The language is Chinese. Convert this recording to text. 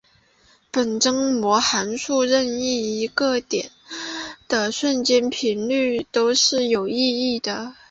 本征模函数任意一点的瞬时频率都是有意义的。